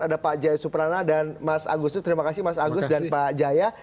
ada pak jaya suprana dan mas agus terima kasih mas agus dan pak jaya